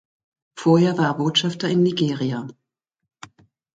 Vorher war er Botschafter in Nigeria.